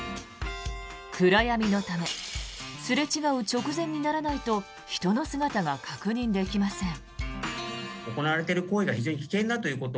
暗闇のためすれ違う直前にならないと人の姿が確認できません。